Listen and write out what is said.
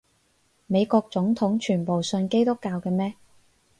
美國總統全部信基督教嘅咩？